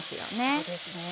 そうですね。